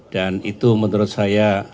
dan itu menurut saya